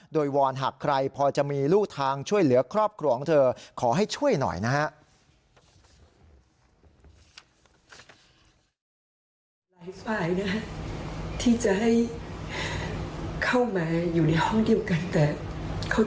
โดยวอนหากใครพอจะมีลูกทางช่วยเหลือครอบครัวของเธอขอให้ช่วยหน่อยนะฮะ